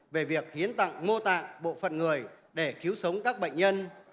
về việc hiến tặng mô tạng bộ phận người để cứu sống các bệnh nhân